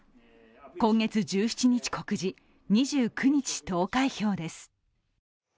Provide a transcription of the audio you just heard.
今月１７日告示、２９日投開票です